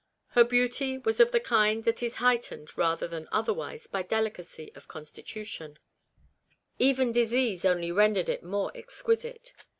Her beauty was of the kind that is heightened rather than otherwise by delicacy of constitution ; even disease only rendered it more exquisite.